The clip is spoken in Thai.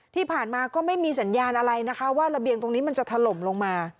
ที่ผ่านมาก็ไม่มีสัญญาณอะไรนะคะว่าระเบียงตรงนี้มันจะถล่มลงมา